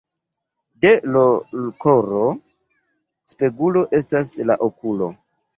De l' koro spegulo estas la okulo.